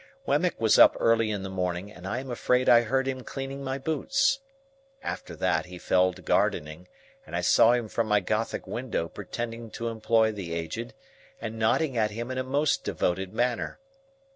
Wemmick was up early in the morning, and I am afraid I heard him cleaning my boots. After that, he fell to gardening, and I saw him from my gothic window pretending to employ the Aged, and nodding at him in a most devoted manner.